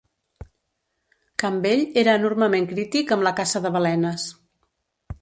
Campbell era enormement crític amb la caça de balenes.